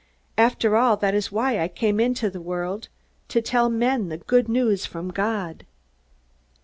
After all, that is why I came into the world to tell men the good news from God!"